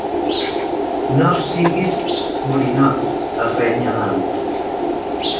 Nos siguis borinot —el renya l'Alf.